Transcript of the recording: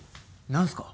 何すか？